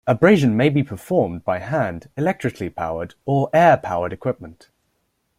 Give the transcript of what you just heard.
Abrasion may be performed by hand, electrically powered, or air powered equipment.